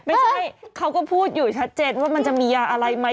ไม่ใช่เขาก็พูดอยู่ชัดเจนว่ามันจะมียาอะไรไหม